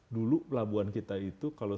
dulu pelabuhan kita itu kalau